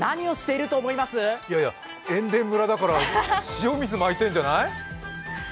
いやいや、塩田村だから塩水まいてるんじゃない？